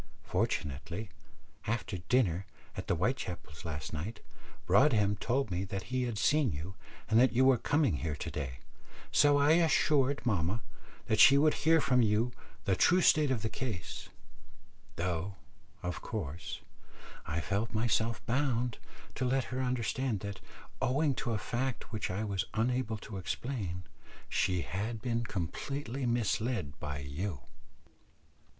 Fortunately, after dinner at the Whitechapels' last night, Broadhem told me that he had seen you, and that you were coming here to day, so I assured mamma that she would hear from you the true state of the case; though, of course, I felt myself bound to let her understand that, owing to a fact which I was unable to explain, she had been completely misled by you."